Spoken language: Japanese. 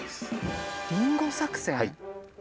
リンゴ作戦？